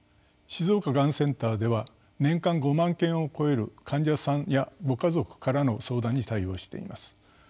静岡がんセンターでは年間５万件を超える患者さんやご家族からの相談に対応しています。